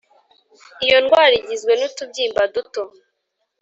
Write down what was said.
Iyo ndwara igizwe nutubyimba duto